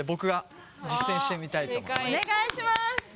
お願いしまーす